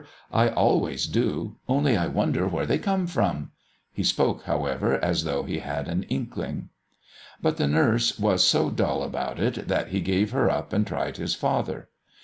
I always do. Only I wonder where they come from!" He spoke, however, as though he had an inkling. But the nurse was so dull about it that he gave her up and tried his father.